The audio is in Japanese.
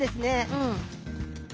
うん。